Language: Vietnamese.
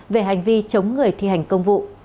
về hành vi chống người thi hành công vụ